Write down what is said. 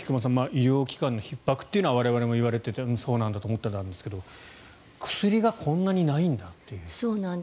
医療機関のひっ迫というのは我々も言われていてそうなんだと思ってたんですが薬がこんなにないんだという。